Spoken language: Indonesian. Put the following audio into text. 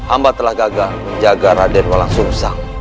amba telah gagal jaga raden walang sungsang